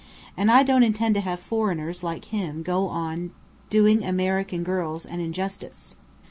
"And I don't intend to have foreigners like him go on doing American girls an injustice.